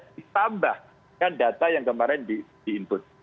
ditambahkan data yang kemarin di input